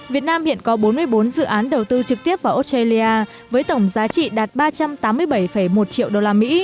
việt nam hiện có bốn mươi bốn dự án đầu tư trực tiếp vào australia với tổng giá trị đạt ba trăm tám mươi bảy một triệu usd